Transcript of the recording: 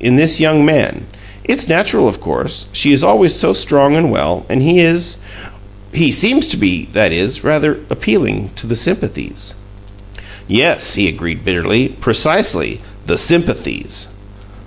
"In this young man. It's natural, of course; she is always so strong and well, and he is he seems to be, that is rather appealing to the the sympathies." "Yes!" he agreed, bitterly. "Precisely. The sympathies!"